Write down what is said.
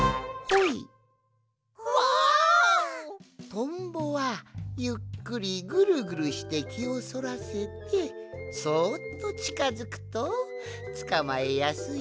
トンボはゆっくりぐるぐるしてきをそらせてそっとちかづくとつかまえやすいぞい。